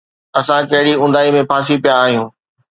اسان ڪهڙي اونداهي ۾ ڦاسي پيا آهيون؟